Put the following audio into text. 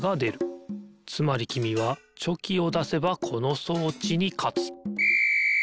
つまりきみはチョキをだせばこの装置にかつピッ！